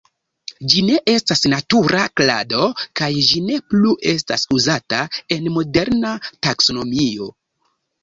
Ĝi ne estas natura klado kaj ĝi ne plu estas uzata en moderna taksonomio.